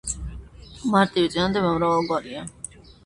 მარტივი წინადადება მრავალგვარია.